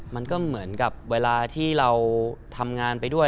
มันก็เหมือนกับเวลาที่เราทำงานไปด้วย